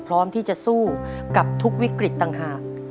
พร้อมที่จะสู้กับทุกวิกฤตต่างหาก